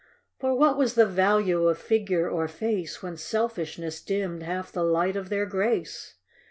For what was the value of figure or face, When selfishness dimmed half the light of their grace